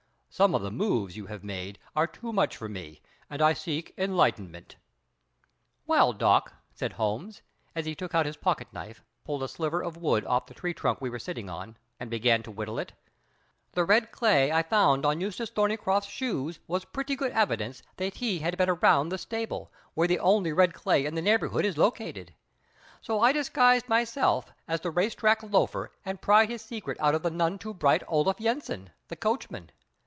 Some of the moves you have made are too many for me, and I seek enlightenment." "Well, Doc," said Holmes, as he took out his pocket knife, pulled a sliver of wood off the tree trunk we were sitting on, and began to whittle it, "the red clay I found on Eustace Thorneycroft's shoes was pretty good evidence that he had been around the stable, where the only red clay in the neighborhood is located; so I disguised myself as the race track loafer and pried his secret out of the none too bright Olaf Yensen, the coachman.